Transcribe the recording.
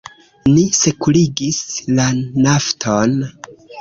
Ni sekurigis la Nafton.